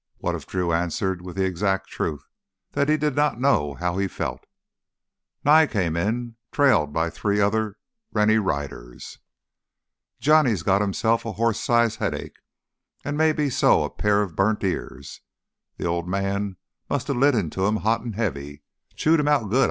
What if Drew answered with the exact truth, that he did not know how he felt? Nye came in, trailed by three of the other Rennie riders. "Johnny's got him a hoss size headache an' maybe so a pair of burnt ears. Th' Old Man musta lit into him hot an' heavy, chewed him out good.